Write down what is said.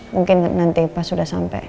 mungkin nanti pas udah sampe